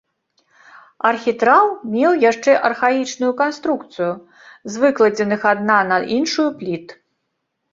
Архітраў меў яшчэ архаічную канструкцыю з выкладзеных адна на іншую пліт.